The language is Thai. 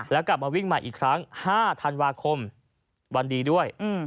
แล้วกลับมาวิ่งใหม่อีกครั้ง๕ธันวาคมวันดีด้วย